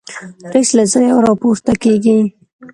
رییس له ځایه راپورته کېږي.